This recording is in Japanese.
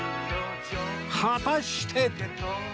果たして